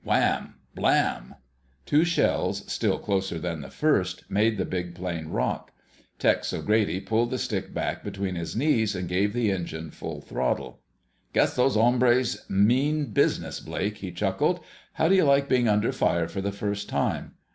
WHAMM! BLAMM! Two shells, still closer than the first, made the big plane rock. Tex O'Grady pulled the stick back between his knees and gave the engine full throttle. "Guess those hombres mean business, Blake," he chuckled. "How do you like being under fire for the first time?"